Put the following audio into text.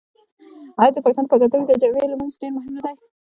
آیا د پښتنو په کلتور کې د جمعې لمونځ ډیر مهم نه دی؟